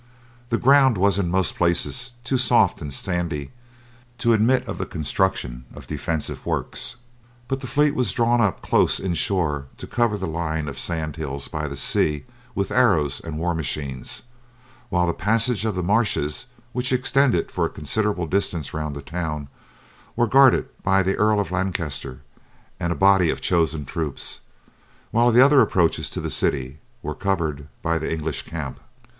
The ground was in most places too soft and sandy to admit of the construction of defensive works; but the fleet was drawn up close inshore to cover the line of sand hills by the sea with arrows and war machines, while the passages of the marshes, which extended for a considerable distance round the town, were guarded by the Earl of Lancaster and a body of chosen troops, while the other approaches to the city were covered by the English camp.